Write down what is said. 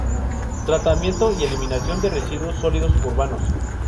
Tratamiento y eliminación de residuos sólidos urbanos.